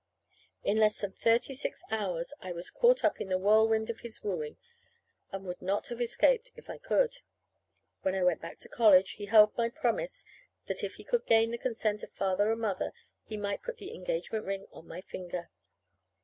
In less than thirty six hours I was caught up in the whirlwind of his wooing, and would not have escaped it if I could. When I went back to college he held my promise that if he could gain the consent of Father and Mother, he might put the engagement ring on my finger.